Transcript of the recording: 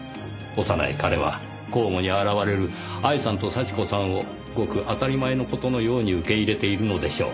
幼い彼は交互に現れる愛さんと幸子さんをごく当たり前の事のように受け入れているのでしょう。